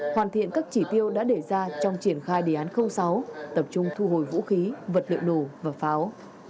hoàn thiện các chỉ tiêu đã để ra trong triển khai đề án sáu tập trung thu hồi vũ khí vật liệu nổ và pháo